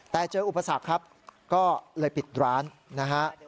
แต่เจออุปสรรคครับก็เลยปิดร้านนะฮะ